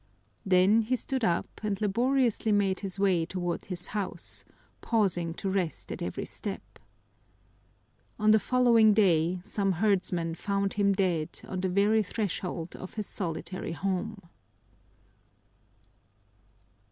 Then he stood up and laboriously made his way toward his house, pausing to rest at every step. On the following day some herdsmen found him dead on the very threshold of his solitary home.